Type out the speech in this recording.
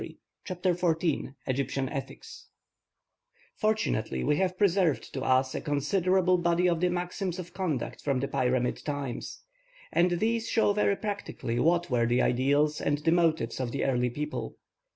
CHAPTER XIV EGYPTIAN ETHICS Fortunately we have preserved to us a considerable body of the maxims of conduct from the Pyramid times; and these show very practically what were the ideals and the motives of the early people.